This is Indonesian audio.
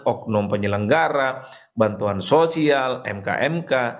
oknum penyelenggara bantuan sosial mk mk